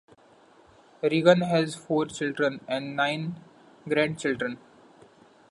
Regan had four children and nine grandchildren.